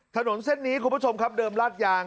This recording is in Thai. ถนนเส้นนี้คุณผู้ชมครับเดิมลาดยาง